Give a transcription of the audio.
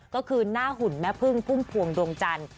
ก็คือหน้าหุ่นแม่พึ่งพุ่มพวงดวงจันทร์